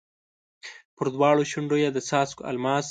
پر دواړو شونډو یې د څاڅکو الماس